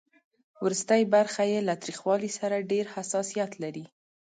ورستۍ برخه یې له تریخوالي سره ډېر حساسیت لري.